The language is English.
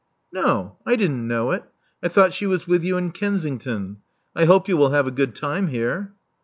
No, I didn't know it: I thought she was with you in Kensington. I hope you will have a good time here."